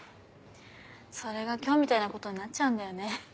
それが今日みたいなことになっちゃうんだよね。